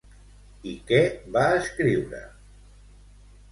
I què va escriure?